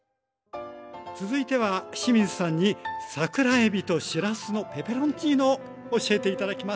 続いては清水さんに桜えびとしらすのペペロンチーノを教えて頂きます。